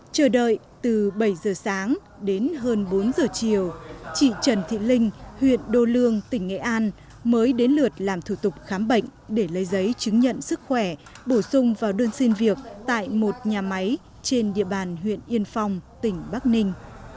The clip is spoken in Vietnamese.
chờ đợi từ bảy giờ sáng đến hơn bốn giờ chiều chị trần thị linh huyện đô lương tỉnh nghệ an mới đến lượt làm thủ tục khám bệnh để lấy giấy chứng nhận sức khỏe bổ sung vào đơn xin việc tại một nhà máy trên địa bàn huyện yên phong tỉnh bắc ninh